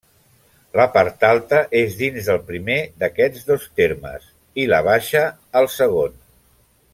La part alta és dins del primer d'aquests dos termes, i la baixa, al segon.